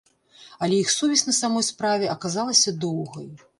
Але іх сувязь на самой справе аказалася доўгай.